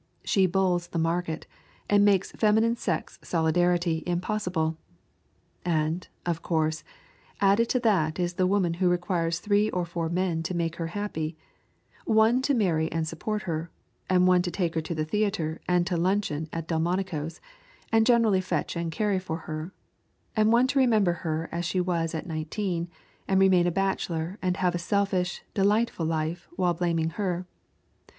She bulls the market, and makes feminine sex solidarity impossible. And, of course, added to that is the woman who requires three or four men to make her happy, one to marry and support her, and one to take her to the theater and to luncheon at Delmonico's, and generally fetch and carry for her, and one to remember her as she was at nineteen and remain a bachelor and have a selfish, delightful life, while blaming her.